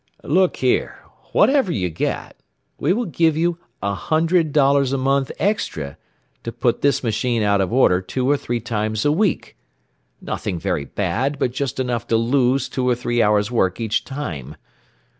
"Look here, whatever you get, we will give you a hundred dollars a month extra to put this machine out of order two or three times a week. Nothing very bad, but just enough to lose two or three hours' work each time.